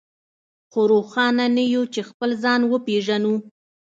خو روښانه نه يو چې خپل ځان وپېژنو.